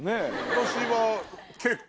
私は結構。